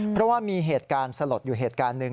เพราะว่ามีเหตุการณ์สลดอยู่เหตุการณ์หนึ่ง